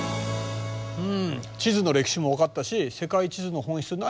うん地図の歴史も分かったし世界地図の本質